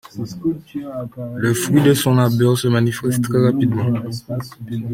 Le fruit de son labeur se manifeste très rapidement.